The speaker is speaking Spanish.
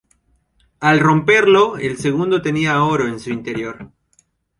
Al romperlo, el segundo tenía oro en su interior.